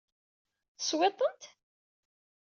Teswiḍ-tent?